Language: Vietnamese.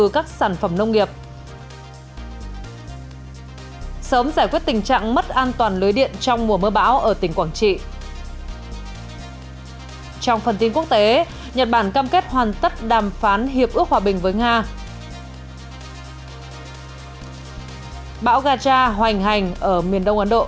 các bạn hãy đăng ký kênh để ủng hộ kênh của chúng mình nhé